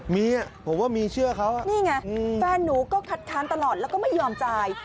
มีผมว่ามีเชื่อเขานี่ไงแฟนหนูก็คัดค้านตลอดแล้วก็ไม่ยอมจ่าย